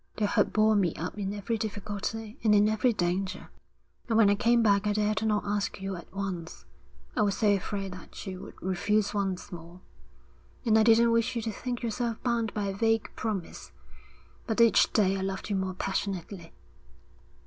'The hope bore me up in every difficulty and in every danger. And when I came back I dared not ask you at once; I was so afraid that you would refuse once more. And I didn't wish you to think yourself bound by a vague promise. But each day I loved you more passionately.'